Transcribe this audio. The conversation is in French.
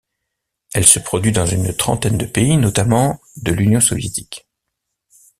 Elle se produit dans une trentaine de pays, notamment de l'Union Soviétique.